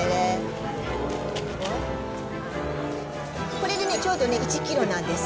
これでね、ちょうど１キロなんです。